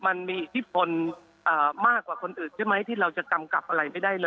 มันมีที่ฝนมากกว่าคนอื่นใช่ไหมบระเบิดที่เราจะกำกับอะไรไม่ได้